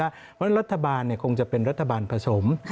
เพราะฉะนั้นรัฐบาลคงจะเป็นรัฐบาลผสม